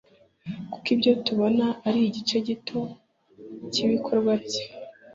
kuko ibyo tubona ari igice gito cy'ibikorwa bye